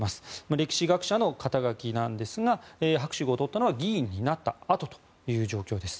歴史学者の肩書なんですが博士号を取ったのは議員なったあとという状況です。